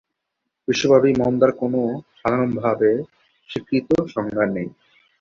বিশ্বব্যাপী মন্দার কোনও সাধারণভাবে স্বীকৃত সংজ্ঞা নেই।